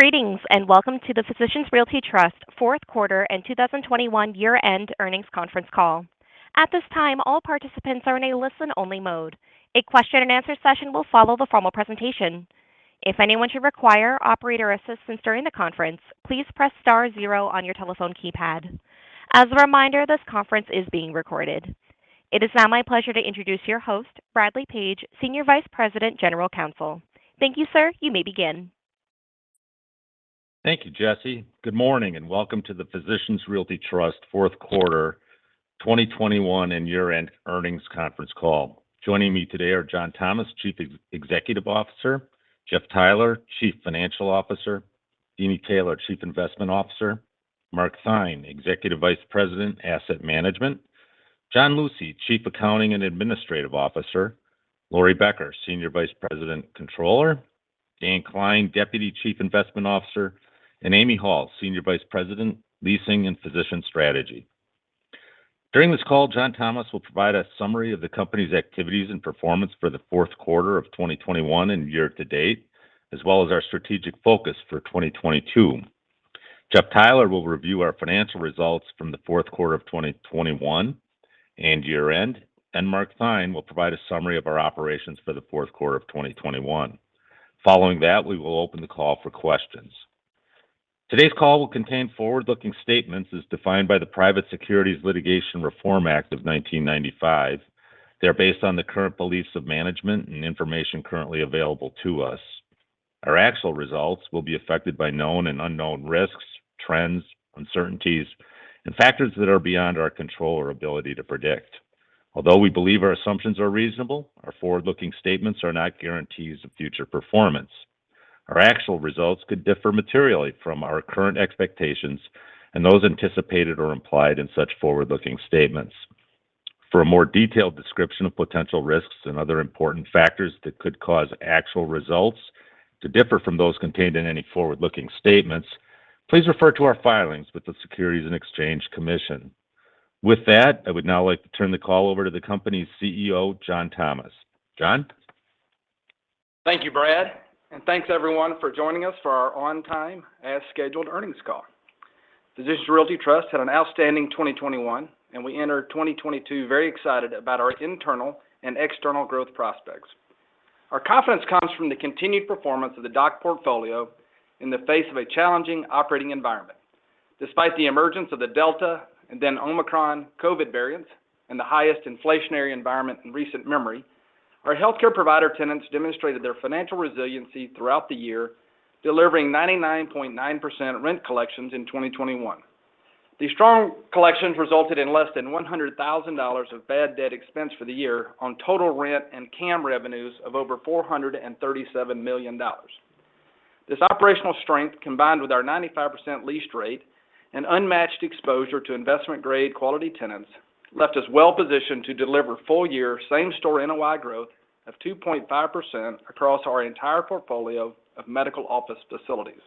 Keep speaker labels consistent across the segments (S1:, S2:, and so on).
S1: Greetings, and welcome to the Physicians Realty Trust Q4 and 2021 Year-End Earnings Conference Call. At this time, all participants are in a listen-only mode. A question and answer session will follow the formal presentation. If anyone should require operator assistance during the conference, please press star zero on your telephone keypad. As a reminder, this conference is being recorded. It is now my pleasure to introduce your host, Bradley D. Page, Senior Vice President, General Counsel. Thank you, sir. You may begin.
S2: Thank you, Jesse. Good morning, and welcome to the Physicians Realty Trust Q4 2021 and Year-End Earnings Conference Call. Joining me today are John Thomas, Chief Executive Officer, Jeff Theiler, Chief Financial Officer, Deeni Taylor, Chief Investment Officer, Mark Theine, Executive Vice President, Asset Management, John Lucey, Chief Accounting and Administrative Officer, Laurie Becker, Senior Vice President, Controller, Dan Klein, Deputy Chief Investment Officer, and Amy Hall, Senior Vice President, Leasing and Physician Strategy. During this call, John Thomas will provide a summary of the company's activities and performance for the fourth quarter of 2021 and year to date, as well as our strategic focus for 2022. Jeff Theiler will review our financial results from Q4 of 2021 and year-end. Mark Theine will provide a summary of our operations for Q4 of 2021. Following that, we will open the call for questions. Today's call will contain forward-looking statements as defined by the Private Securities Litigation Reform Act of 1995. They are based on the current beliefs of management and information currently available to us. Our actual results will be affected by known and unknown risks, trends, uncertainties, and factors that are beyond our control or ability to predict. Although we believe our assumptions are reasonable, our forward-looking statements are not guarantees of future performance. Our actual results could differ materially from our current expectations and those anticipated or implied in such forward-looking statements. For a more detailed description of potential risks and other important factors that could cause actual results to differ from those contained in any forward-looking statements, please refer to our filings with the Securities and Exchange Commission. With that, I would now like to turn the call over to the company's CEO, John Thomas. John?
S3: Thank you, Brad. Thanks everyone for joining us for our on time, as scheduled earnings call. Physicians Realty Trust had an outstanding 2021, and we enter 2022 very excited about our internal and external growth prospects. Our confidence comes from the continued performance of the DOC portfolio in the face of a challenging operating environment. Despite the emergence of the Delta and then Omicron COVID variants and the highest inflationary environment in recent memory, our healthcare provider tenants demonstrated their financial resiliency throughout the year, delivering 99.9% rent collections in 2021. These strong collections resulted in less than $100,000 of bad debt expense for the year on total rent and CAM revenues of over $437 million. This operational strength, combined with our 95% lease rate and unmatched exposure to investment-grade quality tenants, left us well-positioned to deliver full-year same-store NOI growth of 2.5% across our entire portfolio of medical office facilities.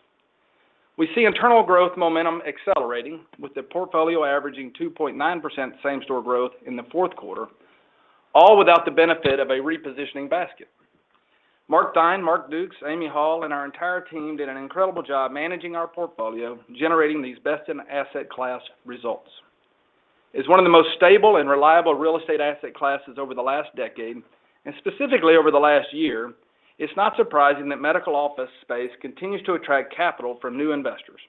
S3: We see internal growth momentum accelerating, with the portfolio averaging 2.9% same-store growth in Q4, all without the benefit of a repositioning basket. Mark Theine, Mark Dukes, Amy Hall, and our entire team did an incredible job managing our portfolio, generating these best-in-asset-class results. As one of the most stable and reliable real estate asset classes over the last decade, and specifically over the last year, it's not surprising that medical office space continues to attract capital from new investors.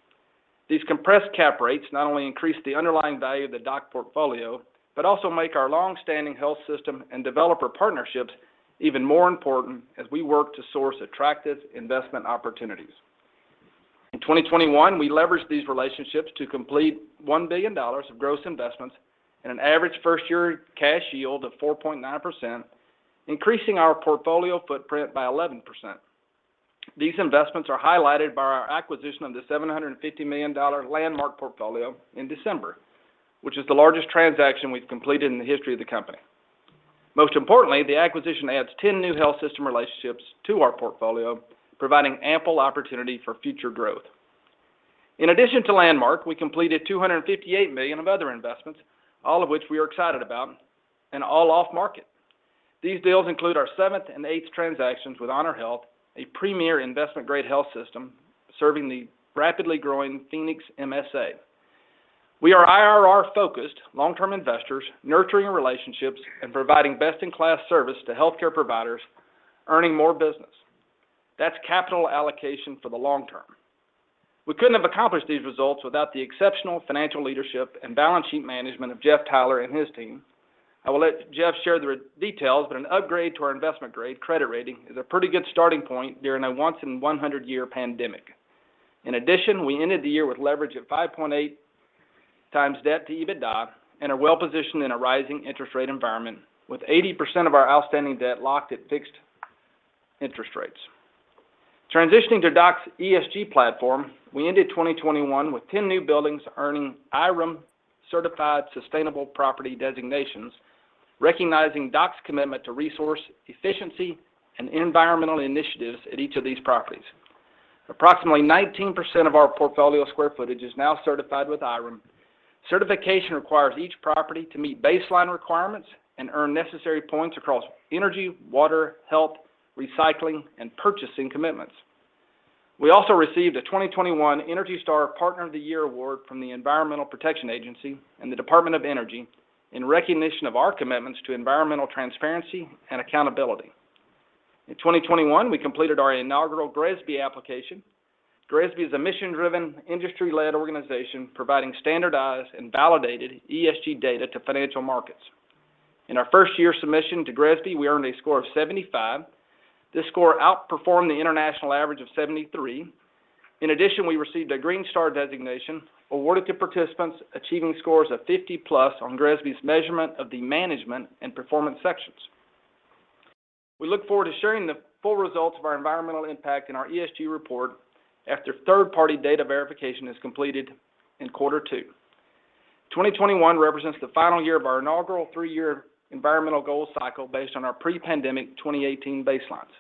S3: These compressed cap rates not only increase the underlying value of the DOC portfolio, but also make our long-standing health system and developer partnerships even more important as we work to source attractive investment opportunities. In 2021, we leveraged these relationships to complete $1 billion of gross investments and an average first-year cash yield of 4.9%, increasing our portfolio footprint by 11%. These investments are highlighted by our acquisition of the $750 million Landmark portfolio in December, which is the largest transaction we've completed in the history of the company. Most importantly, the acquisition adds 10 new health system relationships to our portfolio, providing ample opportunity for future growth. In addition to Landmark, we completed $258 million of other investments, all of which we are excited about, and all off market. These deals include our seventh and eighth transactions with HonorHealth, a premier investment-grade health system serving the rapidly growing Phoenix MSA. We are IRR-focused long-term investors, nurturing relationships and providing best-in-class service to healthcare providers, earning more business. That's capital allocation for the long term. We couldn't have accomplished these results without the exceptional financial leadership and balance sheet management of Jeff Theiler and his team. I will let Jeff share the details, but an upgrade to our investment-grade credit rating is a pretty good starting point during a once in 100-year pandemic. In addition, we ended the year with leverage of 5.8x debt to EBITDA and are well positioned in a rising interest rate environment, with 80% of our outstanding debt locked at fixed interest rates. Transitioning to DOC's ESG platform, we ended 2021 with 10 new buildings earning IREM certified sustainable property designations, recognizing DOC's commitment to resource efficiency and environmental initiatives at each of these properties. Approximately 19% of our portfolio square footage is now certified with IREM. Certification requires each property to meet baseline requirements and earn necessary points across energy, water, health, recycling, and purchasing commitments. We also received a 2021 ENERGY STAR Partner of the Year award from the Environmental Protection Agency and the Department of Energy in recognition of our commitments to environmental transparency and accountability. In 2021, we completed our inaugural GRESB application. GRESB is a mission-driven, industry-led organization providing standardized and validated ESG data to financial markets. In our first year submission to GRESB, we earned a score of 75. This score outperformed the international average of 73. In addition, we received a Green Star designation awarded to participants achieving scores of 50+ on GRESB's measurement of the management and performance sections. We look forward to sharing the full results of our environmental impact in our ESG report after third-party data verification is completed in quarter two. 2021 represents the final year of our inaugural three-year environmental goal cycle based on our pre-pandemic 2018 baselines.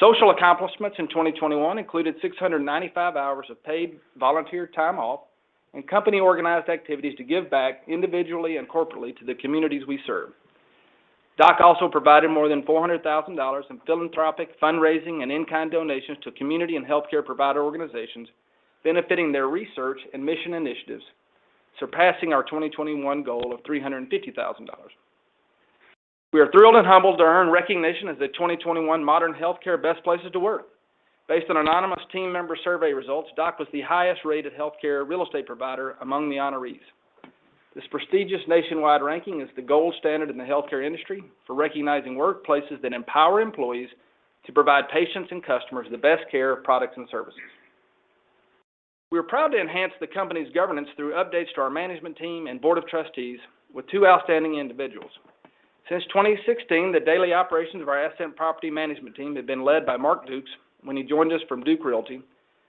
S3: Social accomplishments in 2021 included 695 hours of paid volunteer time off and company organized activities to give back individually and corporately to the communities we serve. DOC also provided more than $400,000 in philanthropic fundraising and in-kind donations to community and healthcare provider organizations benefiting their research and mission initiatives, surpassing our 2021 goal of $350,000. We are thrilled and humbled to earn recognition as the 2021 Modern Healthcare Best Places to Work. Based on anonymous team member survey results, DOC was the highest rated healthcare real estate provider among the honorees. This prestigious nationwide ranking is the gold standard in the healthcare industry for recognizing workplaces that empower employees to provide patients and customers the best care, products, and services. We are proud to enhance the company's governance through updates to our management team and board of trustees with two outstanding individuals. Since 2016, the daily operations of our asset and property management team have been led by Mark Dukes when he joined us from Duke Realty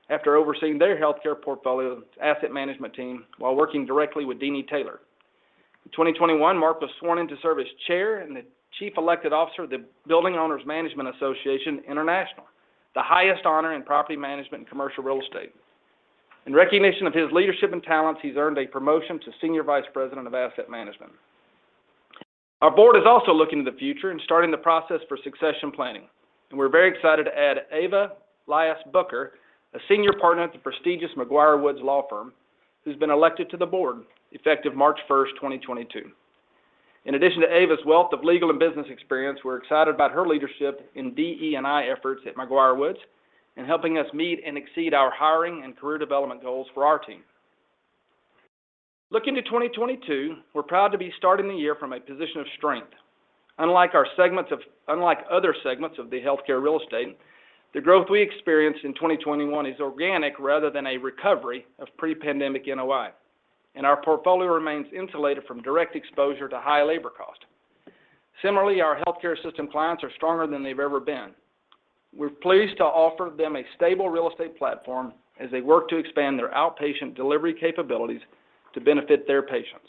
S3: after overseeing their healthcare portfolio asset management team while working directly with Deeni Taylor. In 2021, Mark was sworn in to serve as Chair and the Chief Elected Officer of the Building Owners and Managers Association International, the highest honor in property management and commercial real estate. In recognition of his leadership and talents, he's earned a promotion to Senior Vice President of Asset Management. Our board is also looking to the future and starting the process for succession planning, and we're very excited to add Ava Lias-Booker, a senior partner at the prestigious McGuireWoods law firm, who's been elected to the board effective March 1, 2022. In addition to Ava's wealth of legal and business experience, we're excited about her leadership in DE&I efforts at McGuireWoods and helping us meet and exceed our hiring and career development goals for our team. Looking to 2022, we're proud to be starting the year from a position of strength. Unlike other segments of the healthcare real estate, the growth we experienced in 2021 is organic rather than a recovery of pre-pandemic NOI, and our portfolio remains insulated from direct exposure to high labor cost. Similarly, our healthcare system clients are stronger than they've ever been. We're pleased to offer them a stable real estate platform as they work to expand their outpatient delivery capabilities to benefit their patients.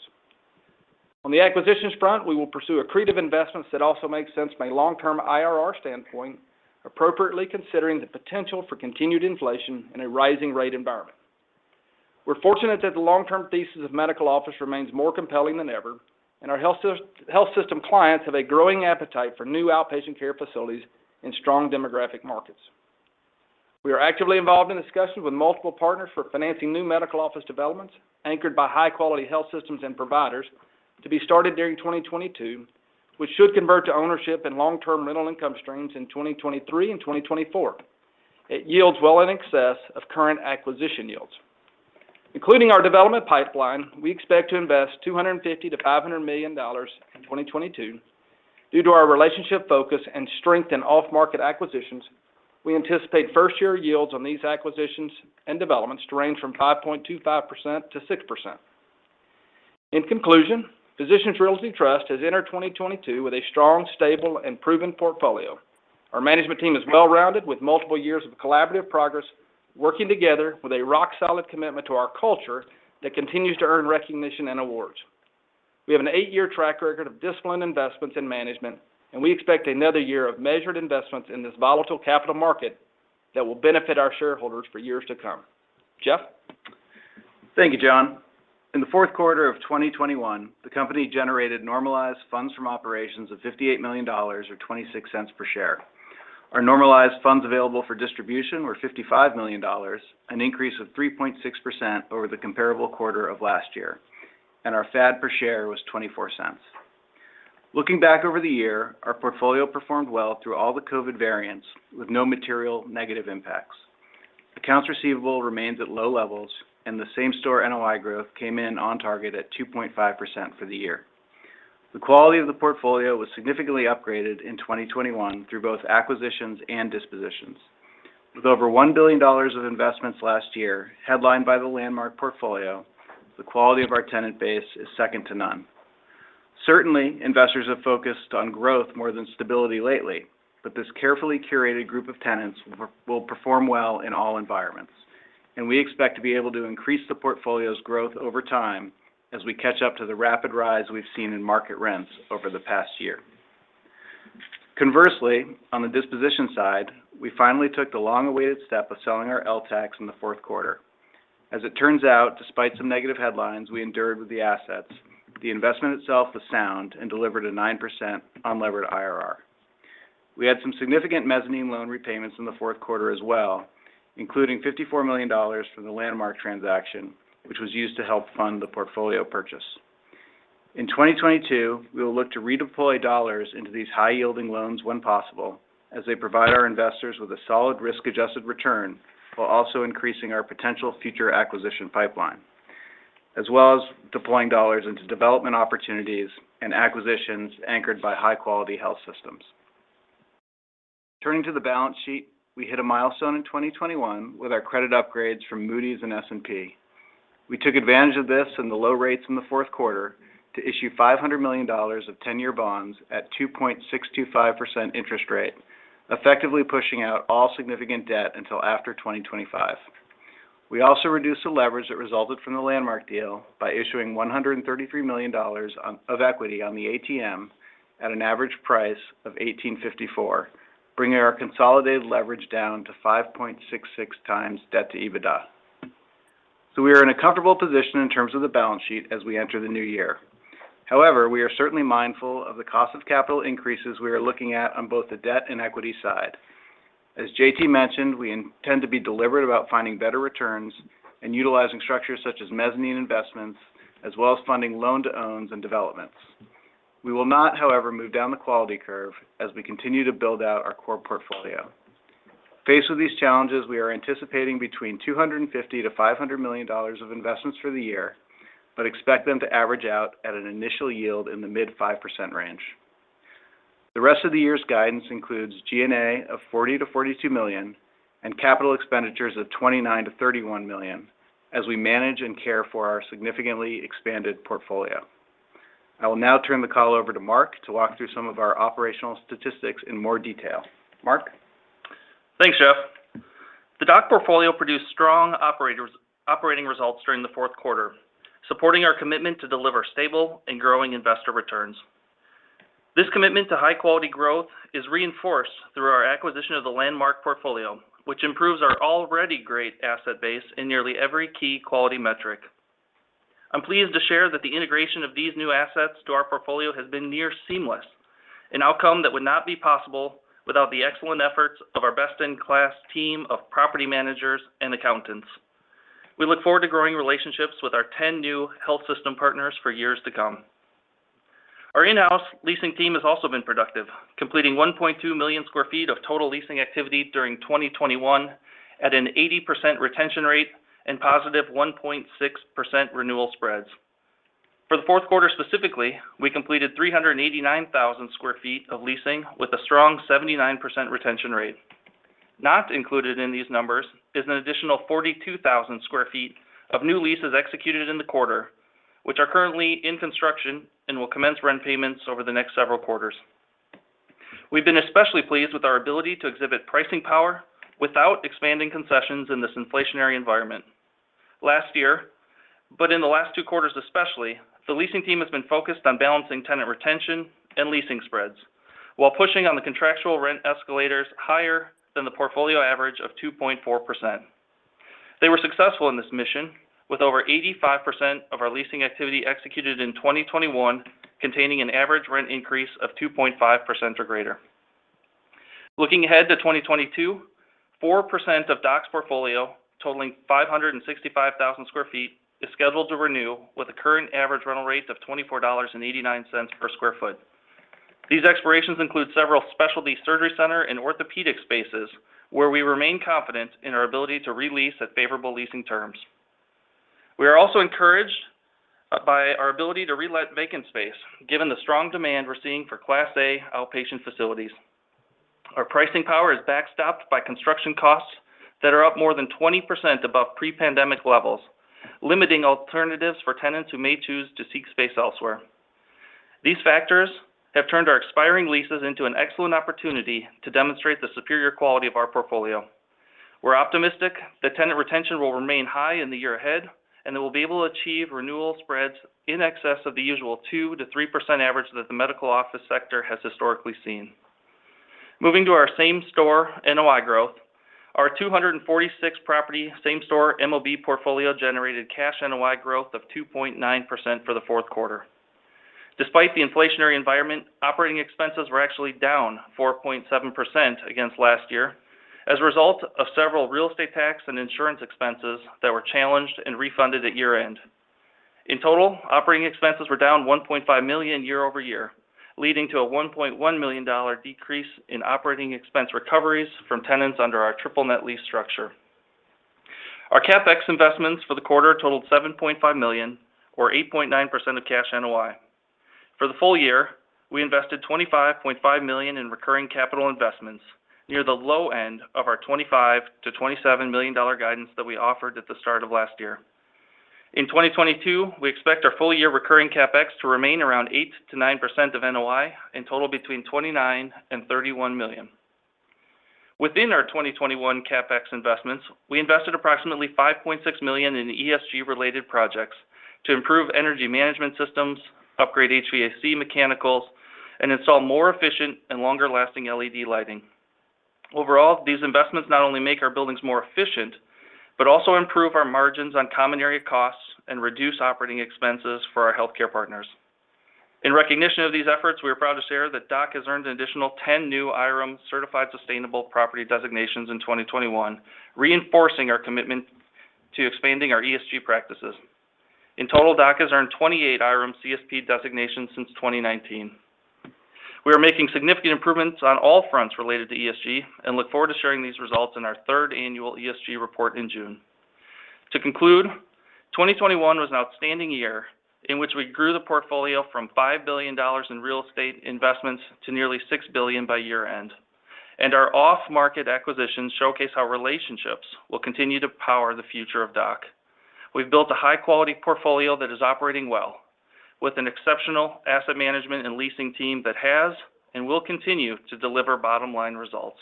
S3: On the acquisitions front, we will pursue accretive investments that also make sense from a long-term IRR standpoint, appropriately considering the potential for continued inflation in a rising rate environment. We're fortunate that the long-term thesis of medical office remains more compelling than ever, and our health system clients have a growing appetite for new outpatient care facilities in strong demographic markets. We are actively involved in discussions with multiple partners for financing new medical office developments anchored by high-quality health systems and providers to be started during 2022, which should convert to ownership and long-term rental income streams in 2023 and 2024. It yields well in excess of current acquisition yields. Including our development pipeline, we expect to invest $250-500 million in 2022. Due to our relationship focus and strength in off-market acquisitions, we anticipate first year yields on these acquisitions and developments to range from 5.25%-6%. In conclusion, Physicians Realty Trust has entered 2022 with a strong, stable, and proven portfolio. Our management team is well-rounded with multiple years of collaborative progress, working together with a rock solid commitment to our culture that continues to earn recognition and awards. We have an eight-year track record of disciplined investments in management, and we expect another year of measured investments in this volatile capital market that will benefit our shareholders for years to come. Jeff?
S4: Thank you, John. In Q4 of 2021, the company generated normalized funds from operations of $58 million or 0.26 per share. Our normalized funds available for distribution were $55 million, an increase of 3.6% over the comparable quarter of last year, and our FAD per share was $0.24. Looking back over the year, our portfolio performed well through all the COVID variants with no material negative impacts. Accounts receivable remains at low levels, and the same-store NOI growth came in on target at 2.5% for the year. The quality of the portfolio was significantly upgraded in 2021 through both acquisitions and dispositions. With over $1 billion of investments last year, headlined by the Landmark portfolio, the quality of our tenant base is second to none. Certainly, investors have focused on growth more than stability lately, but this carefully curated group of tenants will perform well in all environments, and we expect to be able to increase the portfolio's growth over time as we catch up to the rapid rise we've seen in market rents over the past year. Conversely, on the disposition side, we finally took the long-awaited step of selling our LTACs in Q4. As it turns out, despite some negative headlines, we endured with the assets. The investment itself was sound and delivered a 9% unlevered IRR. We had some significant mezzanine loan repayments in Q4 as well, including $54 million from the Landmark transaction, which was used to help fund the portfolio purchase. In 2022, we will look to redeploy dollars into these high-yielding loans when possible, as they provide our investors with a solid risk-adjusted return while also increasing our potential future acquisition pipeline, as well as deploying dollars into development opportunities and acquisitions anchored by high-quality health systems. Turning to the balance sheet, we hit a milestone in 2021 with our credit upgrades from Moody's and S&P. We took advantage of this and the low rates in the fourth quarter to issue $500 million of 10-year bonds at 2.625% interest rate, effectively pushing out all significant debt until after 2025. We also reduced the leverage that resulted from the Landmark deal by issuing $133 million of equity on the ATM at an average price of $18.54, bringing our consolidated leverage down to 5.66x debt to EBITDA. We are in a comfortable position in terms of the balance sheet as we enter the new year. However, we are certainly mindful of the cost of capital increases we are looking at on both the debt and equity side. As JT mentioned, we intend to be deliberate about finding better returns and utilizing structures such as mezzanine investments, as well as funding loan-to-owns and developments. We will not, however, move down the quality curve as we continue to build out our core portfolio. Faced with these challenges, we are anticipating between $250-500 million of investments for the year, but expect them to average out at an initial yield in the mid-5% range. The rest of the year's guidance includes G&A of $40-42 million and capital expenditures of $29-31 million as we manage and care for our significantly expanded portfolio. I will now turn the call over to Mark to walk through some of our operational statistics in more detail. Mark?
S5: Thanks, Jeff. The DOC portfolio produced strong operating results during the Q4, supporting our commitment to deliver stable and growing investor returns. This commitment to high-quality growth is reinforced through our acquisition of the Landmark portfolio, which improves our already great asset base in nearly every key quality metric. I'm pleased to share that the integration of these new assets to our portfolio has been near seamless, an outcome that would not be possible without the excellent efforts of our best-in-class team of property managers and accountants. We look forward to growing relationships with our 10 new health system partners for years to come. Our in-house leasing team has also been productive, completing 1.2 million sq ft of total leasing activity during 2021 at an 80% retention rate and +1.6% renewal spreads. For Q4 specifically, we completed 389,000 sq ft of leasing with a strong 79% retention rate. Not included in these numbers is an additional 42,000 sq ft of new leases executed in the quarter, which are currently in construction and will commence rent payments over the next several quarters. We've been especially pleased with our ability to exhibit pricing power without expanding concessions in this inflationary environment. Last year, but in the last two quarters especially, the leasing team has been focused on balancing tenant retention and leasing spreads while pushing on the contractual rent escalators higher than the portfolio average of 2.4%. They were successful in this mission, with over 85% of our leasing activity executed in 2021 containing an average rent increase of 2.5% or greater. Looking ahead to 2022, 4% of DOC's portfolio, totaling 565,000 sq ft, is scheduled to renew with a current average rental rate of $24.89 per sq ft. These expirations include several specialty surgery center and orthopedic spaces where we remain confident in our ability to re-lease at favorable leasing terms. We are also encouraged by our ability to relet vacant space, given the strong demand we're seeing for Class A outpatient facilities. Our pricing power is backstopped by construction costs that are up more than 20% above pre-pandemic levels, limiting alternatives for tenants who may choose to seek space elsewhere. These factors have turned our expiring leases into an excellent opportunity to demonstrate the superior quality of our portfolio. We're optimistic that tenant retention will remain high in the year ahead, and that we'll be able to achieve renewal spreads in excess of the usual 2%-3% average that the medical office sector has historically seen. Moving to our same-store NOI growth, our 246 property same-store MOB portfolio generated cash NOI growth of 2.9% for Q4. Despite the inflationary environment, operating expenses were actually down 4.7% against last year as a result of several real estate tax and insurance expenses that were challenged and refunded at year-end. In total, operating expenses were down $1.5 million year over year, leading to a 1.1 million decrease in operating expense recoveries from tenants under our triple net lease structure. Our CapEx investments for the quarter totaled $7.5 million, or 8.9% of cash NOI. For the full year, we invested $25.5 million in recurring capital investments, near the low end of our $25-27 million guidance that we offered at the start of last year. In 2022, we expect our full-year recurring CapEx to remain around 8%-9% of NOI and total between $29-31 million. Within our 2021 CapEx investments, we invested approximately $5.6 million in ESG-related projects to improve energy management systems, upgrade HVAC mechanicals, and install more efficient and longer-lasting LED lighting. Overall, these investments not only make our buildings more efficient, but also improve our margins on common area costs and reduce operating expenses for our healthcare partners. In recognition of these efforts, we are proud to share that DOC has earned an additional 10 new IREM Certified Sustainable Property designations in 2021, reinforcing our commitment to expanding our ESG practices. In total, DOC has earned 28 IREM CSP designations since 2019. We are making significant improvements on all fronts related to ESG and look forward to sharing these results in our third annual ESG report in June. To conclude, 2021 was an outstanding year in which we grew the portfolio from $5 billion in real estate investments to nearly 6 billion by year-end. Our off-market acquisitions showcase how relationships will continue to power the future of DOC. We've built a high-quality portfolio that is operating well with an exceptional asset management and leasing team that has and will continue to deliver bottom-line results.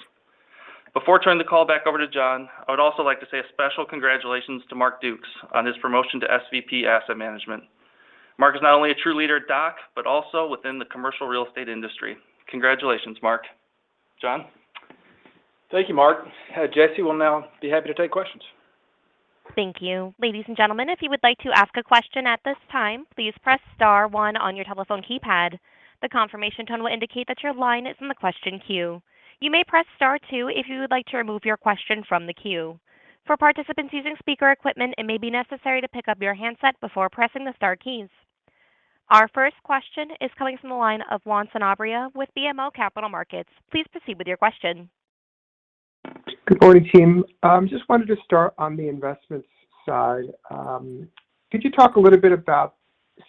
S5: Before turning the call back over to John, I would also like to say a special congratulations to Mark Dukes on his promotion to SVP Asset Management. Mark is not only a true leader at DOC, but also within the commercial real estate industry. Congratulations, Mark. John?
S3: Thank you, Mark. Jesse, we'll now be happy to take questions.
S1: Thank you. Ladies and gentlemen, if you would like to ask a question at this time, please press star one on your telephone keypad. The confirmation tone will indicate that your line is in the question queue. You may press star two if you would like to remove your question from the queue. For participants using speaker equipment, it may be necessary to pick up your handset before pressing the star keys. Our first question is coming from the line of Juan Sanabria with BMO Capital Markets. Please proceed with your question.
S6: Good morning, team. Just wanted to start on the investments side. Could you talk a little bit about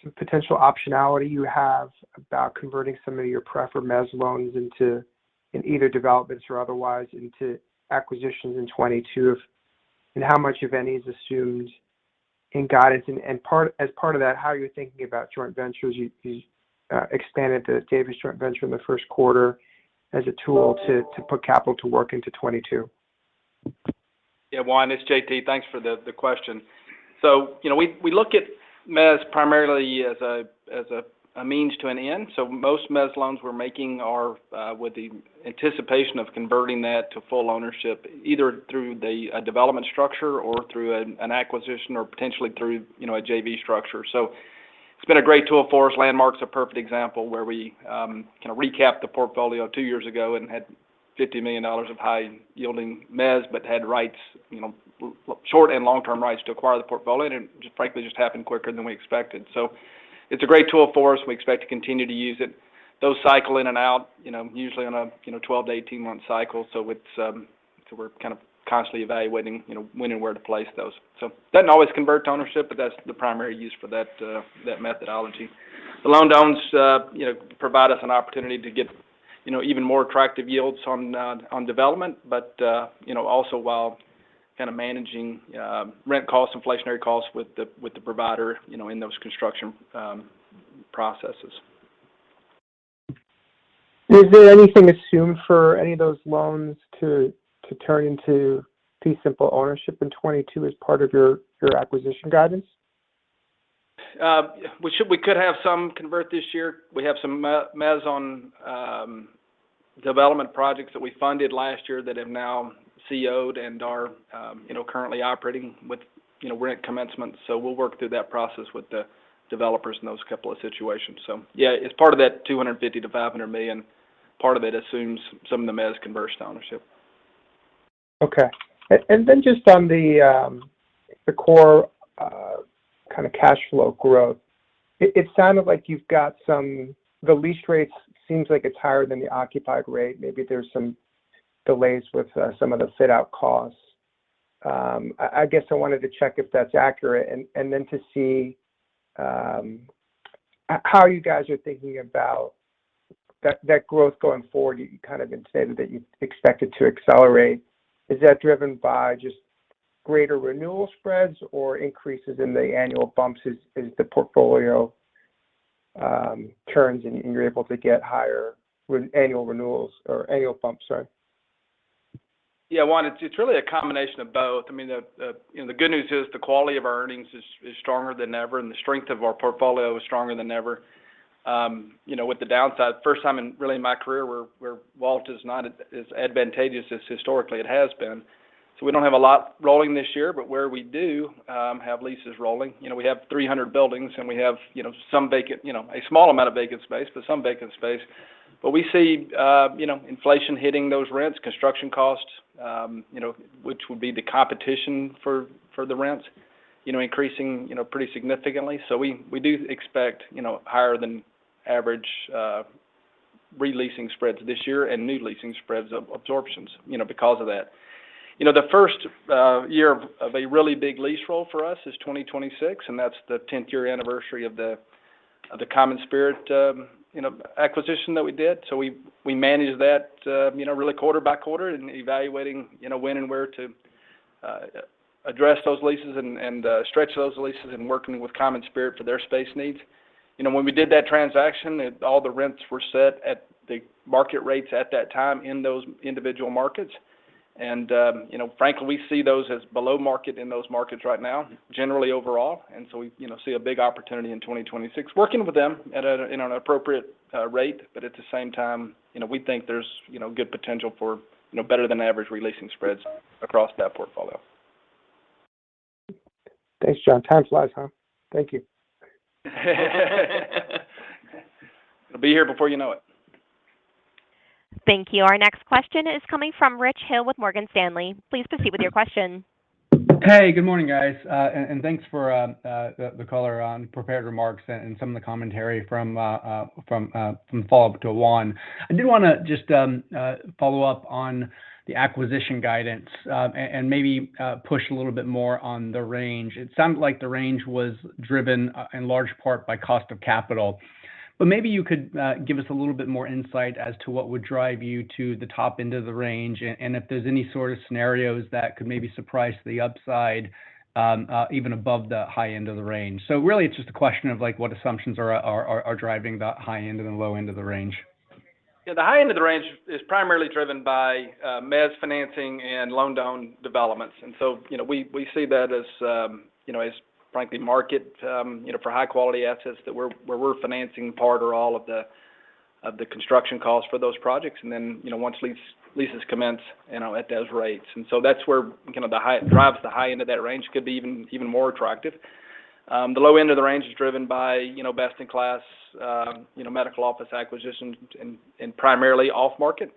S6: some potential optionality you have about converting some of your pref or mezz loans into either developments or otherwise into acquisitions in 2022, and how much, if any, is assumed in guidance? As part of that, how you're thinking about joint ventures. You've expanded the Davis joint venture in Q1 as a tool to put capital to work into 2022.
S3: Yeah. Juan, it's JT. Thanks for the question. You know, we look at mezz primarily as a means to an end. Most mezz loans we're making are with the anticipation of converting that to full ownership, either through the development structure or through an acquisition or potentially through a JV structure. It's been a great tool for us. Landmark's a perfect example where we kind of recapped the portfolio two years ago and had $50 million of high-yielding mezz, but had rights, you know, short and long-term rights to acquire the portfolio. It just, frankly, happened quicker than we expected. It's a great tool for us. We expect to continue to use it. Those cycle in and out, you know, usually on a 12- to 18-month cycle. We're kind of constantly evaluating, you know, when and where to place those. It doesn't always convert to ownership, but that's the primary use for that methodology. The loan downs, you know, provide us an opportunity to get, you know, even more attractive yields on development, but, you know, also while kind of managing rent costs, inflationary costs with the provider, you know, in those construction processes.
S6: Is there anything assumed for any of those loans to turn into fee simple ownership in 2022 as part of your acquisition guidance?
S3: We could have some convert this year. We have some mezz on development projects that we funded last year that have now CO'd and are, you know, currently operating with, you know, rent commencement. We'll work through that process with the developers in those couple of situations. Yeah, it's part of that $250-500 million. Part of it assumes some of the mezz converts to ownership.
S6: Okay. Just on the core kind of cash flow growth. It sounded like the lease rates seems like it's higher than the occupied rate. Maybe there's some delays with some of the fit-out costs. I guess I wanted to check if that's accurate, and then to see how you guys are thinking about that growth going forward. You kind of indicated that you expect it to accelerate. Is that driven by just greater renewal spreads or increases in the annual bumps as the portfolio turns and you're able to get higher annual renewals or annual bumps, sorry?
S3: Yeah. Juan, it's really a combination of both. I mean, you know, the good news is the quality of our earnings is stronger than ever, and the strength of our portfolio is stronger than ever. You know, with the downside, first time, really, in my career where volume is not as advantageous as historically it has been. So we don't have a lot rolling this year, but where we do have leases rolling, you know, we have 300 buildings, and we have, you know, some vacant, you know, a small amount of vacant space, but some vacant space. But we see, you know, inflation hitting those rents, construction costs, you know, which would be the competition for the rents, you know, increasing, you know, pretty significantly. We do expect, you know, higher than average re-leasing spreads this year and new leasing spreads and absorptions, you know, because of that. You know, the first year of a really big lease roll for us is 2026, and that's the 10th-year anniversary of the CommonSpirit acquisition that we did. We manage that, you know, really quarter by quarter and evaluating, you know, when and where to address those leases and stretch those leases and working with CommonSpirit for their space needs. You know, when we did that transaction, all the rents were set at the market rates at that time in those individual markets. Frankly, you know, we see those as below market in those markets right now, generally overall. We, you know, see a big opportunity in 2026 working with them in an appropriate rate. At the same time, you know, we think there's, you know, good potential for, you know, better than average re-leasing spreads across that portfolio.
S6: Thanks, John. Time flies, huh? Thank you.
S3: It'll be here before you know it.
S1: Thank you. Our next question is coming from Rich Hill with Morgan Stanley. Please proceed with your question.
S7: Hey, good morning, guys. Thanks for the color on prepared remarks and some of the commentary from follow-up to Juan. I do wanna just follow up on the acquisition guidance, and maybe push a little bit more on the range. It sounded like the range was driven in large part by cost of capital. Maybe you could give us a little bit more insight as to what would drive you to the top end of the range and if there's any sort of scenarios that could maybe surprise the upside, even above the high end of the range. Really it's just a question of, like, what assumptions are driving the high end and the low end of the range.
S3: Yeah. The high end of the range is primarily driven by mezzanine financing and loans on developments. You know, we see that as frankly market for high quality assets where we're financing part or all of the construction costs for those projects. You know, once leases commence at those rates. That's where the high end of that range could be even more attractive. The low end of the range is driven by best in class medical office acquisitions and primarily off market.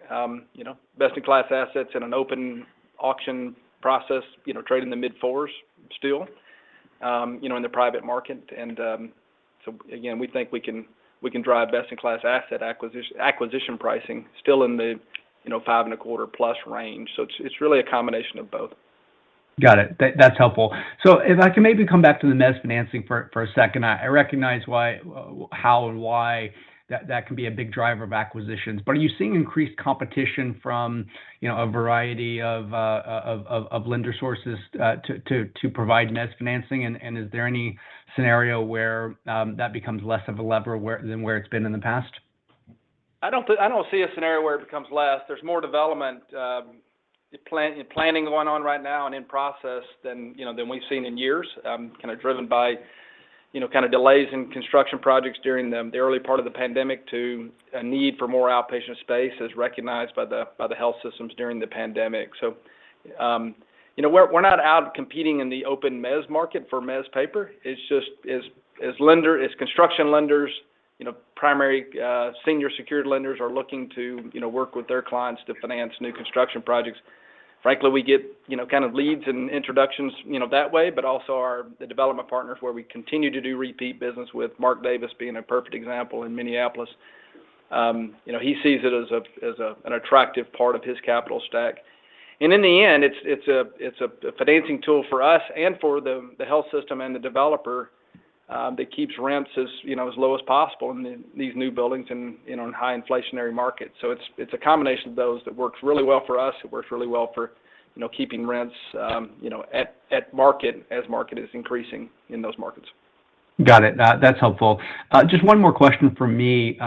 S3: You know, best in class assets in an open auction process trade in the mid-fours still in the private market. Again, we think we can drive best-in-class asset acquisition pricing still in the, you know, 5.25%+ range. It's really a combination of both.
S7: Got it. That's helpful. If I can maybe come back to the mezz financing for a second. I recognize why, how and why that can be a big driver of acquisitions. Are you seeing increased competition from, you know, a variety of lender sources to provide mezz financing? Is there any scenario where that becomes less of a lever than where it's been in the past?
S3: I don't see a scenario where it becomes less. There's more development planning going on right now and in process than we've seen in years, kind of driven by delays in construction projects during the early part of the pandemic to a need for more outpatient space as recognized by the health systems during the pandemic. You know, we're not out competing in the open mezz market for mezz paper. It's just as construction lenders, primary senior secured lenders are looking to work with their clients to finance new construction projects. Frankly, we get, you know, kind of leads and introductions, you know, that way, but also our, the development partners where we continue to do repeat business with Mark Davis being a perfect example in Minneapolis. He sees it as an attractive part of his capital stack. In the end, it's a financing tool for us and for the health system and the developer that keeps rents, you know, as low as possible in these new buildings and in a high inflationary market. It's a combination of those that works really well for us. It works really well for, you know, keeping rents, you know, at market as market is increasing in those markets.
S7: Got it. That's helpful. Just one more question from me.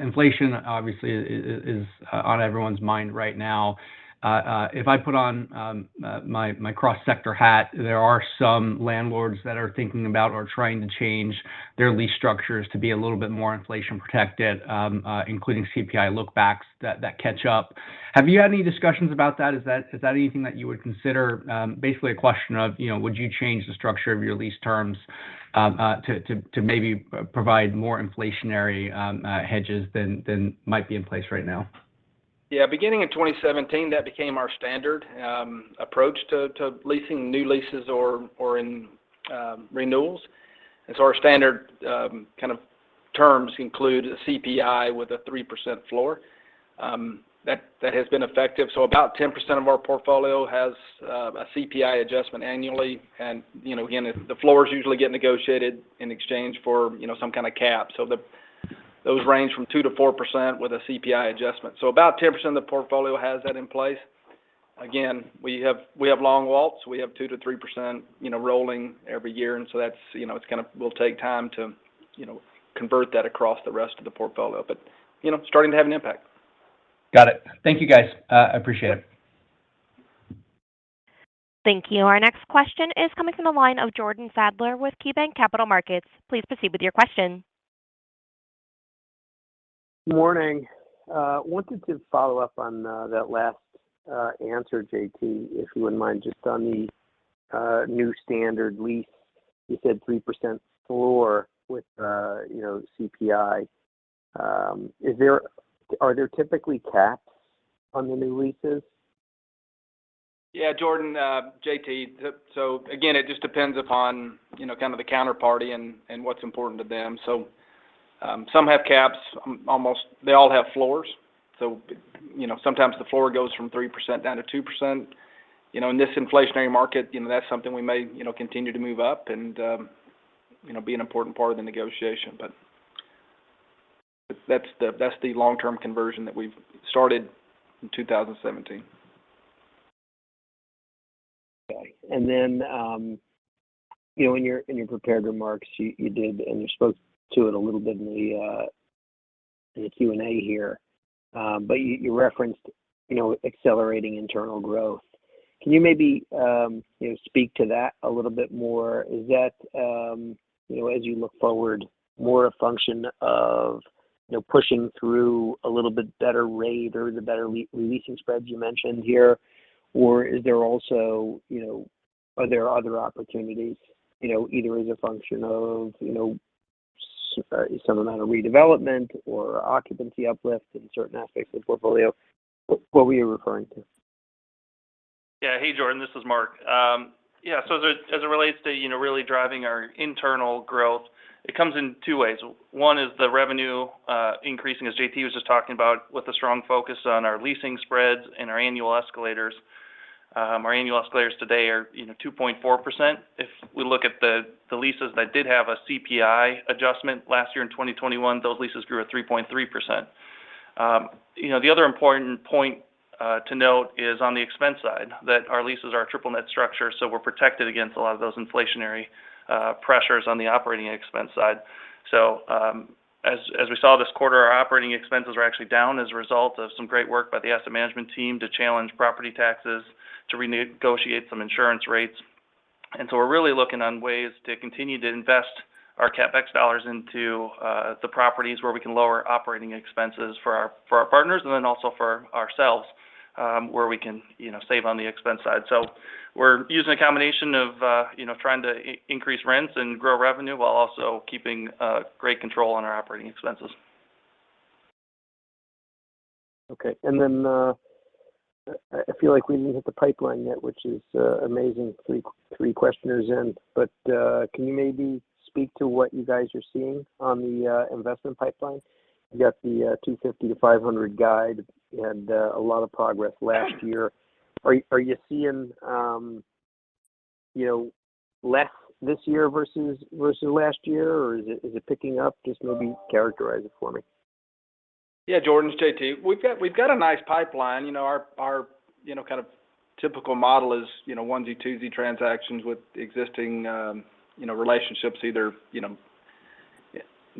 S7: Inflation obviously is on everyone's mind right now. If I put on my cross-sector hat, there are some landlords that are thinking about or trying to change their lease structures to be a little bit more inflation protected, including CPI look backs that catch up. Have you had any discussions about that? Is that anything that you would consider? Basically a question of, you know, would you change the structure of your lease terms to maybe provide more inflationary hedges than might be in place right now?
S3: Yeah. Beginning in 2017, that became our standard approach to leasing new leases or renewals. Our standard kind of terms include CPI with a 3% floor that has been effective. About 10% of our portfolio has a CPI adjustment annually. You know, again, the floors usually get negotiated in exchange for you know some kind of cap. Those range from 2%-4% with a CPI adjustment. About 10% of the portfolio has that in place. Again, we have long leases. We have 2%-3% you know rolling every year. That's you know it will take time to you know convert that across the rest of the portfolio. You know starting to have an impact.
S7: Got it. Thank you, guys. Appreciate it.
S3: Yeah.
S1: Thank you. Our next question is coming from the line of Jordan Sadler with KeyBanc Capital Markets. Please proceed with your question.
S8: Morning. Wanted to follow up on that last answer, JT, if you wouldn't mind, just on the new standard lease. You said 3% floor with, you know, CPI. Are there typically caps on the new leases?
S3: Yeah, Jordan, JT. Again, it just depends upon, you know, kind of the counterparty and what's important to them. Some have caps. They all have floors. Sometimes the floor goes from 3% down to 2%. In this inflationary market, that's something we may continue to move up and be an important part of the negotiation. That's the long-term conversion that we've started in 2017.
S8: Okay. You know, in your prepared remarks, you did, and you spoke to it a little bit in the Q&A here. You referenced, you know, accelerating internal growth. Can you maybe, you know, speak to that a little bit more? Is that, you know, as you look forward, more a function of, you know, pushing through a little bit better rate or the better leasing spreads you mentioned here? Is there also, you know, are there other opportunities, you know, either as a function of, you know, some amount of redevelopment or occupancy uplift in certain aspects of the portfolio? What were you referring to?
S5: Yeah. Hey, Jordan, this is Mark. Yeah. As it relates to, you know, really driving our internal growth, it comes in two ways. One is the revenue increasing, as JT was just talking about, with a strong focus on our leasing spreads and our annual escalators. Our annual escalators today are, you know, 2.4%. If we look at the leases that did have a CPI adjustment last year in 2021, those leases grew at 3.3%. You know, the other important point to note is on the expense side, that our leases are triple net structure, so we're protected against a lot of those inflationary pressures on the operating expense side. As we saw this quarter, our operating expenses are actually down as a result of some great work by the asset management team to challenge property taxes, to renegotiate some insurance rates. We're really looking on ways to continue to invest our CapEx dollars into the properties where we can lower operating expenses for our partners and then also for ourselves, where we can, you know, save on the expense side. We're using a combination of, you know, trying to increase rents and grow revenue while also keeping great control on our operating expenses.
S8: Okay. I feel like we didn't hit the pipeline yet, which is amazing three questions in. Can you maybe speak to what you guys are seeing on the investment pipeline? You got the $250-500 million guide and a lot of progress last year. Are you seeing you know less this year versus last year? Is it picking up? Just maybe characterize it for me.
S3: Yeah, Jordan, it's JT. We've got a nice pipeline. You know, our typical model is onesie-twosie transactions with existing relationships, either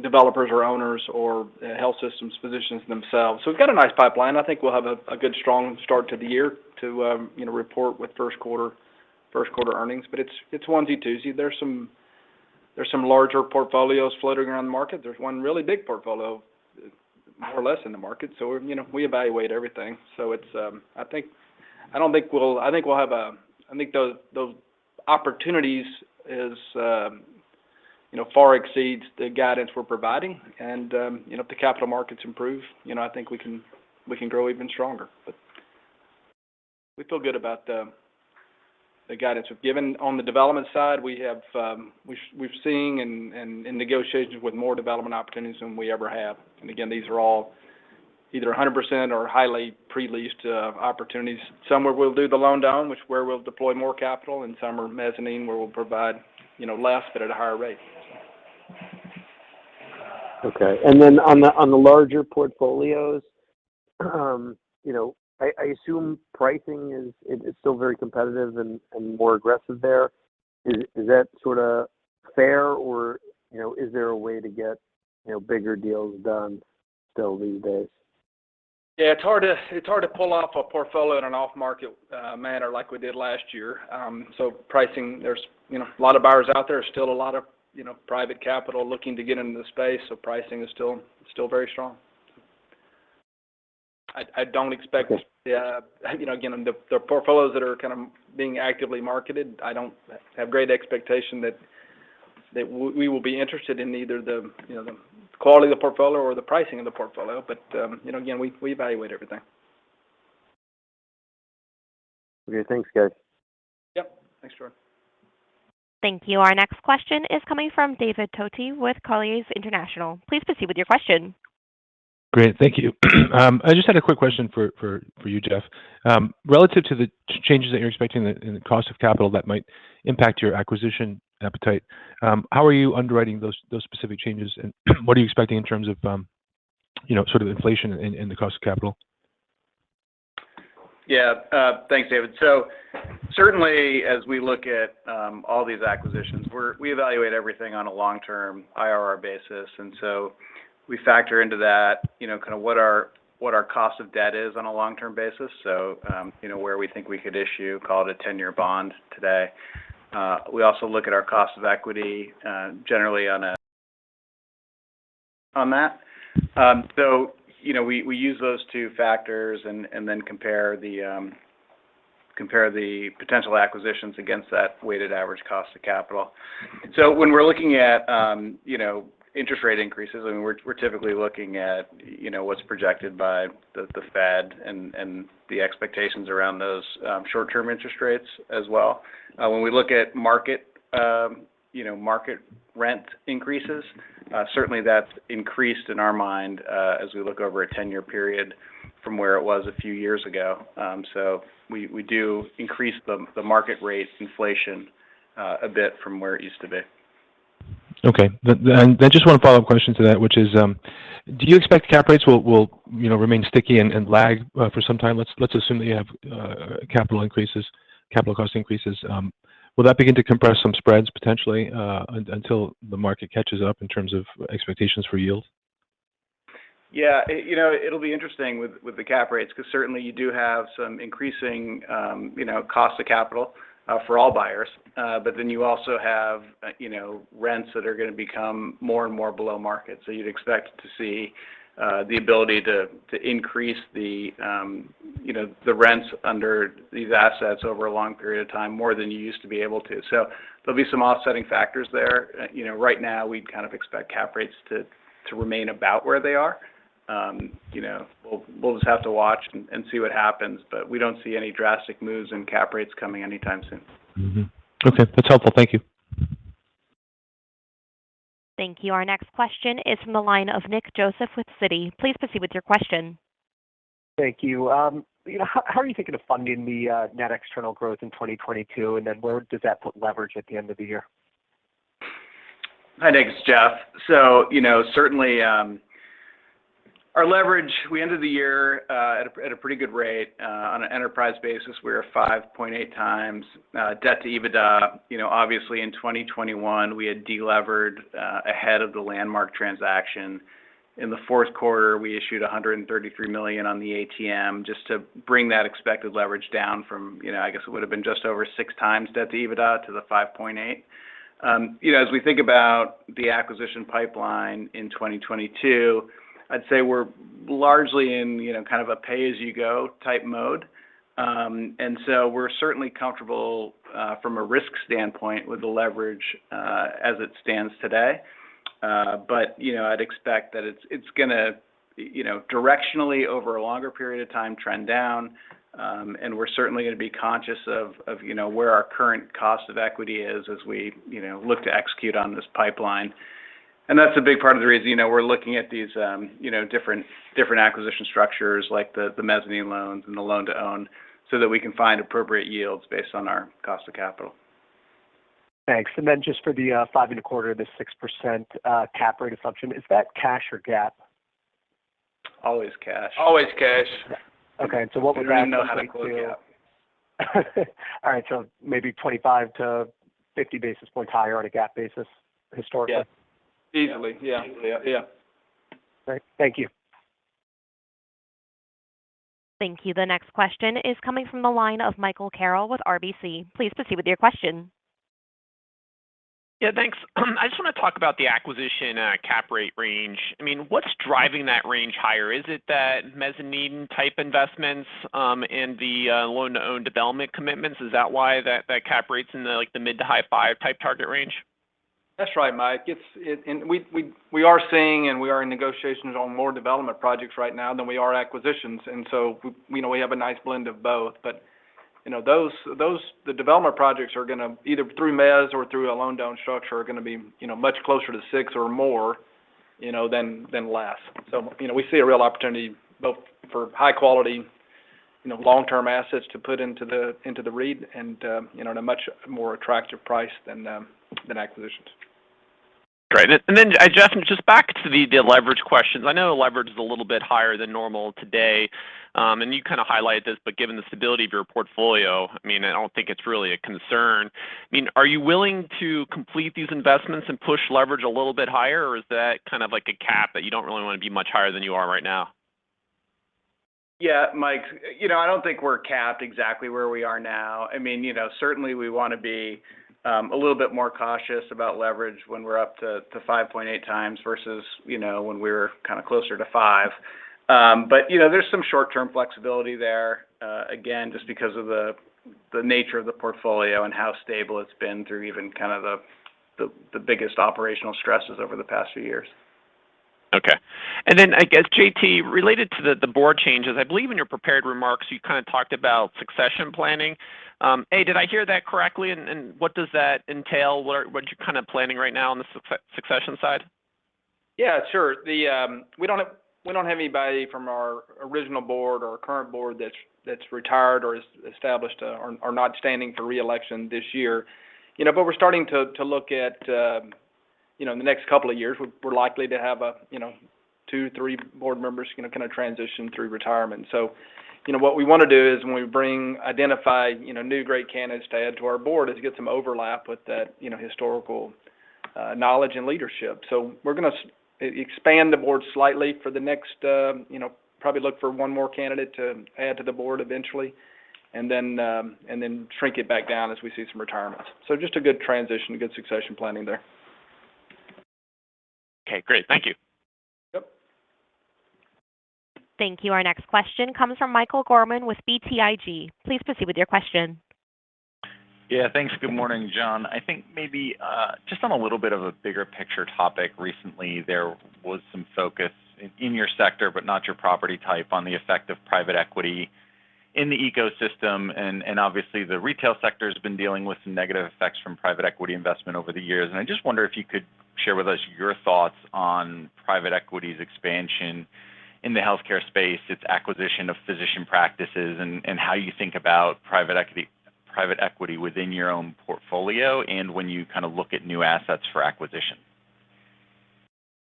S3: developers or owners or health systems, physicians themselves. So we've got a nice pipeline. I think we'll have a good strong start to the year to report with Q1 earnings. But it's onesie-twosie. There's some larger portfolios floating around the market. There's one really big portfolio more or less in the market. So, you know, we evaluate everything. I think those opportunities far exceeds the guidance we're providing. You know, if the capital markets improve, you know, I think we can grow even stronger. We feel good about the guidance we've given. On the development side, we've seen and in negotiations with more development opportunities than we ever have. Again, these are all either 100% or highly pre-leased opportunities. Some where we'll do the loan down, where we'll deploy more capital, and some are mezzanine, where we'll provide you know, less but at a higher rate.
S8: Okay. Then on the larger portfolios, you know, I assume pricing is still very competitive and more aggressive there. Is that sort of fair? Or, you know, is there a way to get, you know, bigger deals done still these days?
S3: Yeah, it's hard to pull off a portfolio in an off-market manner like we did last year. So pricing, there's, you know, a lot of buyers out there. Still a lot of, you know, private capital looking to get into the space, so pricing is still very strong. I don't expect-
S8: Okay.
S3: You know, again, the portfolios that are kind of being actively marketed, I don't have great expectation that we will be interested in either the, you know, the quality of the portfolio or the pricing of the portfolio. You know, again, we evaluate everything.
S8: Okay. Thanks, guys.
S3: Yep. Thanks, Jordan.
S1: Thank you. Our next question is coming from David Toti with Colliers International. Please proceed with your question.
S9: Great. Thank you. I just had a quick question for you, Jeff. Relative to the changes that you're expecting in the cost of capital that might impact your acquisition appetite, how are you underwriting those specific changes? What are you expecting in terms of, you know, sort of inflation in the cost of capital?
S4: Yeah. Thanks, David. Certainly, as we look at all these acquisitions, we evaluate everything on a long-term IRR basis. We factor into that, you know, kind of what our cost of debt is on a long-term basis. You know, where we think we could issue, call it a 10-year bond today. We also look at our cost of equity, generally on that. You know, we use those two factors and then compare the potential acquisitions against that weighted average cost of capital. When we're looking at interest rate increases, I mean, we're typically looking at what's projected by the Fed and the expectations around those short-term interest rates as well. When we look at market, you know, market rent increases, certainly that's increased in our mind, as we look over a 10-year period from where it was a few years ago. We do increase the market rate inflation a bit from where it used to be.
S9: Okay. Just one follow-up question to that, which is, do you expect cap rates will, you know, remain sticky and lag, for some time? Let's assume that you have capital increases, capital cost increases. Will that begin to compress some spreads potentially, until the market catches up in terms of expectations for yield?
S4: Yeah. It'll be interesting with the cap rates because certainly you do have some increasing cost of capital for all buyers. Then you also have you know, rents that are gonna become more and more below market. You'd expect to see the ability to increase the rents under these assets over a long period of time more than you used to be able to. There'll be some offsetting factors there. You know, right now we'd kind of expect cap rates to remain about where they are. You know, we'll just have to watch and see what happens. We don't see any drastic moves in cap rates coming anytime soon.
S3: Mm-hmm. Okay. That's helpful. Thank you.
S1: Thank you. Our next question is from the line of Nick Joseph with Citi. Please proceed with your question.
S10: Thank you. You know, how are you thinking of funding the net external growth in 2022, and then where does that put leverage at the end of the year?
S4: Hi, Nick. It's Jeff. You know, certainly our leverage, we ended the year at a pretty good rate. On an enterprise basis, we were 5.8x debt to EBITDA. You know, obviously in 2021, we had delevered ahead of the Landmark transaction. In Q4, we issued $133 million on the ATM just to bring that expected leverage down from, you know, I guess it would have been just over 6x debt to EBITDA to the 5.8x. You know, as we think about the acquisition pipeline in 2022, I'd say we're largely in kind of a pay-as-you-go type mode. We're certainly comfortable from a risk standpoint with the leverage as it stands today. You know, I'd expect that it's gonna, you know, directionally over a longer period of time trend down. We're certainly gonna be conscious of, you know, where our current cost of equity is as we, you know, look to execute on this pipeline. That's a big part of the reason, you know, we're looking at these, you know, different acquisition structures like the mezzanine loans and the loan to own so that we can find appropriate yields based on our cost of capital.
S10: Thanks. Just for the 5.25%-6% cap rate assumption, is that cash or GAAP?
S4: Always cash.
S3: Always cash.
S10: What would-
S4: We know how to close the gap.
S10: All right, maybe 25-50 basis points higher on a GAAP basis historically.
S4: Yes.
S3: Easily. Yeah.
S4: Yeah.
S10: Great. Thank you.
S1: Thank you. The next question is coming from the line of Michael Carroll with RBC. Please proceed with your question.
S11: Yeah, thanks. I just wanna talk about the acquisition, cap rate range. I mean, what's driving that range higher? Is it that mezzanine type investments, and the loan to own development commitments? Is that why that cap rate's in the, like the mid- to high-five-type target range?
S4: That's right, Mike. It's we are seeing and we are in negotiations on more development projects right now than we are acquisitions. You know, we have a nice blend of both. You know, those. The development projects are gonna either through mezz or through a loan down structure are gonna be, you know, much closer to six or more, you know, than less. You know, we see a real opportunity both for high quality, you know, long-term assets to put into the REIT and, you know, in a much more attractive price than acquisitions.
S11: Great. Just back to the de-leverage questions. I know the leverage is a little bit higher than normal today. You kinda highlighted this, but given the stability of your portfolio, I mean, I don't think it's really a concern. I mean, are you willing to complete these investments and push leverage a little bit higher, or is that kind of like a cap that you don't really wanna be much higher than you are right now?
S4: Yeah. Mike, you know, I don't think we're capped exactly where we are now. I mean, you know, certainly we wanna be a little bit more cautious about leverage when we're up to 5.8x versus, you know, when we're kinda closer to five. You know, there's some short-term flexibility there, again, just because of the nature of the portfolio and how stable it's been through even kind of the biggest operational stresses over the past few years.
S11: Okay. Then I guess, JT, related to the board changes, I believe in your prepared remarks, you kind of talked about succession planning. Did I hear that correctly? And what does that entail? What you're kind of planning right now on the succession side?
S3: Yeah, sure. We don't have anybody from our original board or current board that's retired or is established or not standing for re-election this year. You know, but we're starting to look at, you know, in the next couple of years, we're likely to have a, you know, two, three board members gonna kind of transition through retirement. You know, what we wanna do is when we bring identified, you know, new great candidates to add to our board is get some overlap with that, you know, historical knowledge and leadership. We're gonna expand the board slightly for the next, you know, probably look for one more candidate to add to the board eventually, and then shrink it back down as we see some retirement. Just a good transition, good succession planning there.
S11: Okay, great. Thank you.
S3: Yep.
S1: Thank you. Our next question comes from Michael Gorman with BTIG. Please proceed with your question.
S12: Yeah, thanks. Good morning. John, I think maybe just on a little bit of a bigger picture topic, recently there was some focus in your sector, but not your property type on the effect of private equity in the ecosystem. Obviously the retail sector's been dealing with some negative effects from private equity investment over the years. I just wonder if you could share with us your thoughts on private equity's expansion in the healthcare space, its acquisition of physician practices, and how you think about private equity within your own portfolio and when you kind of look at new assets for acquisition?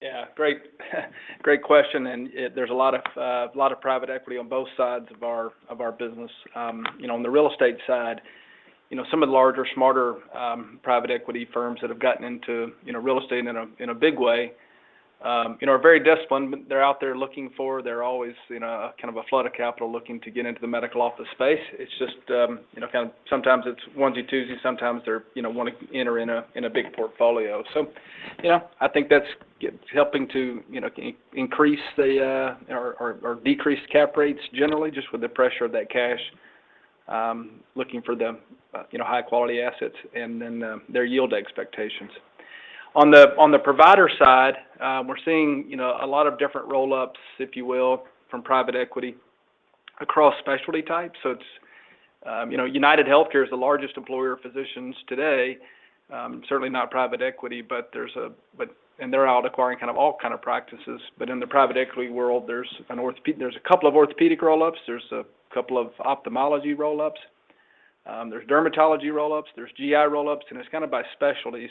S3: Yeah. Great question. There's a lot of private equity on both sides of our business. You know, on the real estate side, you know, some of the larger, smarter private equity firms that have gotten into real estate in a big way, you know, are very disciplined. But they're out there looking for. There's always, you know, a kind of flood of capital looking to get into the medical office space. It's just, you know, kind of sometimes it's onesie, twosie, sometimes they wanna enter in a big portfolio. You know, I think that's helping to, you know, increase or decrease cap rates generally just with the pressure of that cash looking for the, you know, high-quality assets and then their yield expectations. On the provider side, we're seeing, you know, a lot of different roll-ups, if you will, from private equity across specialty types. It's, you know, UnitedHealthcare is the largest employer of physicians today, certainly not private equity, but they're out acquiring all kinds of practices. In the private equity world, there's a couple of orthopedic roll-ups, there's a couple of ophthalmology roll-ups, there's dermatology roll-ups, there's GI roll-ups, and it's kind of by specialty.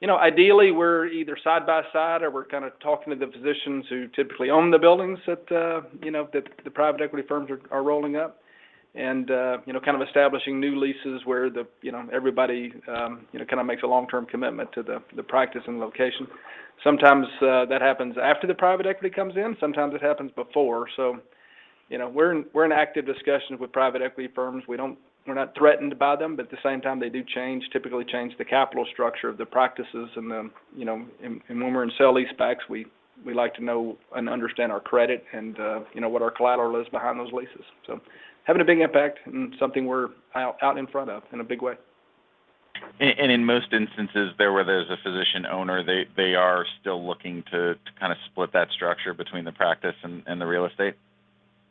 S3: You know, ideally, we're either side by side or we're kind of talking to the physicians who typically own the buildings that you know, that the private equity firms are rolling up and you know, kind of establishing new leases where the you know, everybody you know, kind of makes a long-term commitment to the practice and location. Sometimes, that happens after the private equity comes in, sometimes it happens before. You know, we're in active discussions with private equity firms. We're not threatened by them, but at the same time, they do typically change the capital structure of the practices and when we're in sale-leasebacks, we like to know and understand our credit and you know, what our collateral is behind those leases. Having a big impact and something we're out in front of in a big way.
S12: In most instances where there's a physician owner, they are still looking to kind of split that structure between the practice and the real estate?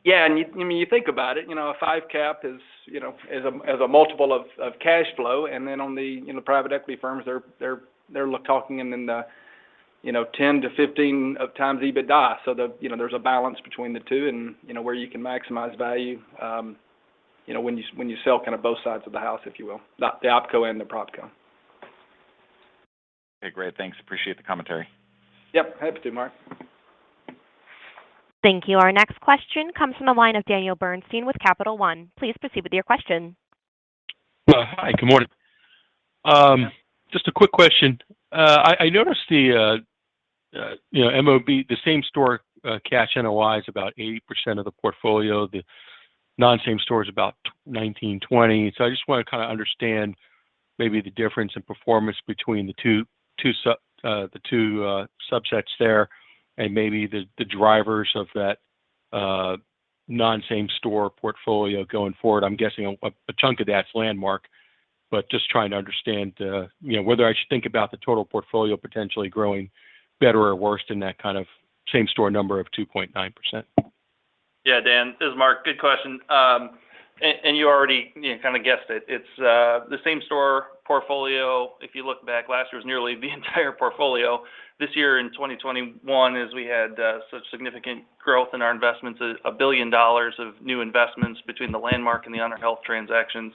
S3: Yeah. You, I mean, you think about it, you know, a five cap is, you know, as a multiple of cash flow, and then on the, you know, private equity firms, they're talking in the 10-15x EBITDA. There's a balance between the two and where you can maximize value when you sell kind of both sides of the house, if you will, the opco and the propco.
S12: Okay. Great. Thanks. Appreciate the commentary.
S3: Yep. Happy to, Mark.
S1: Thank you. Our next question comes from the line of Daniel Bernstein with Capital One. Please proceed with your question.
S13: Hi. Good morning. Just a quick question. I noticed you know, MOB, the same store cash NOI is about 80% of the portfolio. The non-same store is about 19%, 20%. I just wanna kind of understand maybe the difference in performance between the two subsets there and maybe the drivers of that non-same store portfolio going forward. I'm guessing a chunk of that's Landmark. Just trying to understand, you know, whether I should think about the total portfolio potentially growing better or worse than that kind of same store number of 2.9%.
S5: Yeah, Dan, this is Mark. Good question. You already, you know, kind of guessed it. It's the same store portfolio. If you look back, last year was nearly the entire portfolio. This year in 2021, as we had such significant growth in our investments, $1 billion of new investments between the Landmark and the HonorHealth transactions,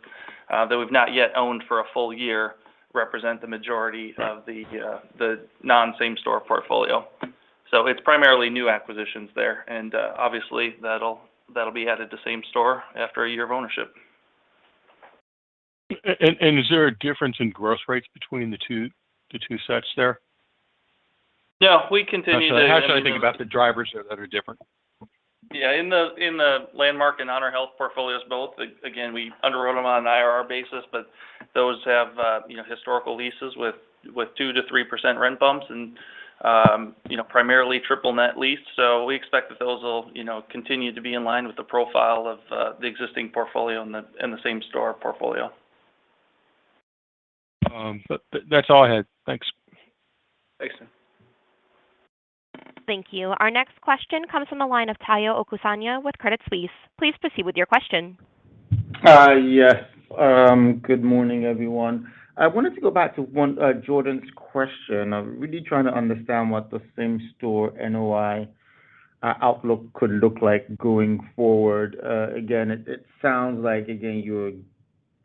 S5: that we've not yet owned for a full year, represent the majority of the non-same store portfolio. It's primarily new acquisitions there, and obviously, that'll be added to same store after a year of ownership.
S13: Is there a difference in gross rates between the two sets there?
S5: No, we continue.
S13: How should I think about the drivers that are different?
S5: Yeah. In the Landmark and HonorHealth portfolios both, again, we underwrote them on an IRR basis, but those have, you know, historical leases with 2%-3% rent bumps and, you know, primarily triple net lease. We expect that those will, you know, continue to be in line with the profile of, the existing portfolio in the same store portfolio.
S13: That's all I had. Thanks.
S5: Thanks, Dan.
S1: Thank you. Our next question comes from the line of Tayo Okusanya with Credit Suisse. Please proceed with your question.
S14: Yes. Good morning, everyone. I wanted to go back to Jordan's question. I'm really trying to understand what the same store NOI outlook could look like going forward. Again, it sounds like, again, you're,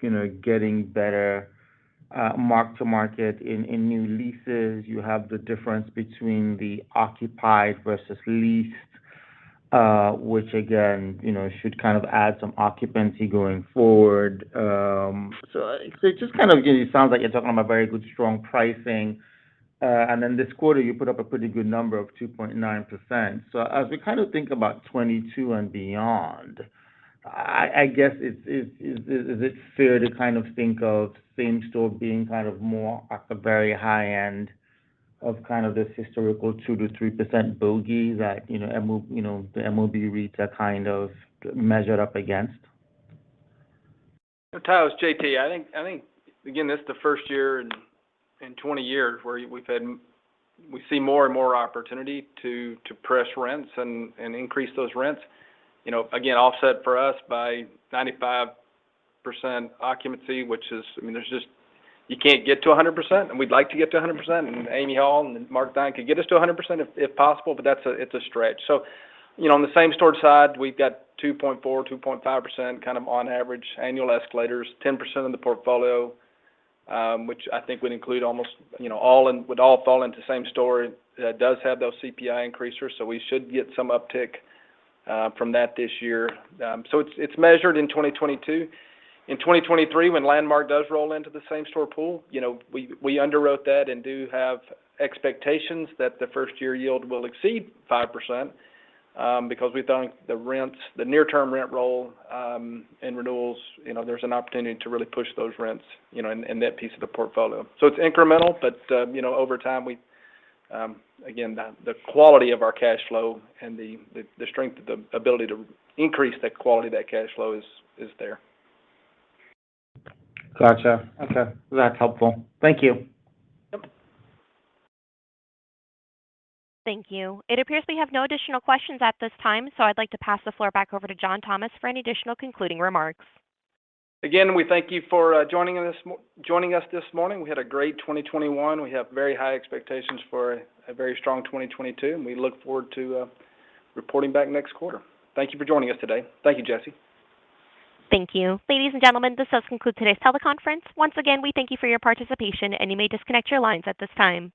S14: you know, getting better mark-to-market in new leases. You have the difference between the occupied versus leased, which again, you know, should kind of add some occupancy going forward. It just kind of, again, it sounds like you're talking about very good strong pricing. Then this quarter you put up a pretty good number of 2.9%. As we kind of think about 2022 and beyond, I guess, is it fair to kind of think of same store being kind of more at the very high end of kind of this historical 2%-3% bogey that, you know, the MOB REITs are kind of measured up against?
S3: Tayo, it's JT. I think, again, this is the first year in 20 years where we see more and more opportunity to press rents and increase those rents. You know, again, offset for us by 95% occupancy, which is, I mean, there's just you can't get to 100%, and we'd like to get to 100%, and Amy Hall and Mark Theine could get us to 100% if possible, but that's. It's a stretch. So, you know, on the same store side, we've got 2.4%-2.5% kind of on average annual escalators. 10% of the portfolio, which I think would include almost, you know, would all fall into same-store, does have those CPI increases, so we should get some uptick from that this year. It's measured in 2022. In 2023, when Landmark does roll into the same-store pool, you know, we underwrote that and do have expectations that the first-year yield will exceed 5%, because we think the rents, the near-term rent roll, and renewals, you know, there's an opportunity to really push those rents, you know, in that piece of the portfolio. It's incremental, but, you know, over time, again the quality of our cash flow and the strength of the ability to increase the quality of that cash flow is there.
S14: Gotcha. Okay. That's helpful. Thank you.
S3: Yep.
S1: Thank you. It appears we have no additional questions at this time, so I'd like to pass the floor back over to John Thomas for any additional concluding remarks.
S3: Again, we thank you for joining us this morning. We had a great 2021. We have very high expectations for a very strong 2022, and we look forward to reporting back next quarter. Thank you for joining us today. Thank you, Jesse.
S1: Thank you. Ladies and gentlemen, this does conclude today's teleconference. Once again, we thank you for your participation, and you may disconnect your lines at this time.